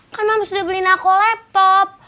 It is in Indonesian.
kan mams udah beliin aku laptop